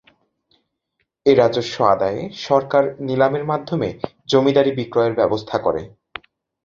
এ রাজস্ব আদায়ে সরকার নিলামের মাধ্যমে জমিদারি বিক্রয়ের ব্যবস্থা করে।